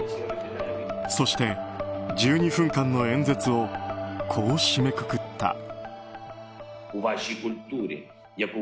そして１２分間の演説をこう締めくくった。